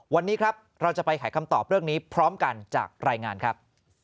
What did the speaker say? วันนี้ครับเราจะไปขายคำตอบเรื่องนี้พร้อมกันจากรายงานครับ